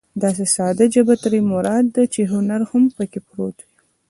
داسې ساده ژبه ترې مراد ده چې هنر هم پکې پروت وي.